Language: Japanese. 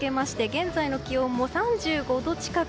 現在の気温も３５度近く。